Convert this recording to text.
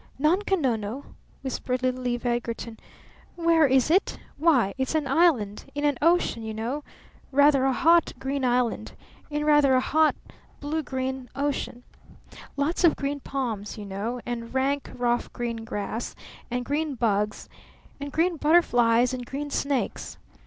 "Nunko Nono?" whispered little Eve Edgarton. "Where is it? Why, it's an island! In an ocean, you know! Rather a hot green island! In rather a hot blue green ocean! Lots of green palms, you know, and rank, rough, green grass and green bugs and green butterflies and green snakes.